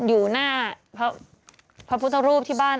อยู่หน้าพระพุทธรูปที่บ้าน